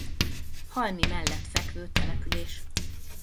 Halmi mellett fekvő település.